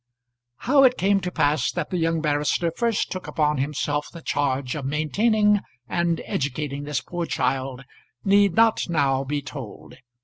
How it came to pass that the young barrister first took upon himself the charge of maintaining and educating this poor child need not now be told.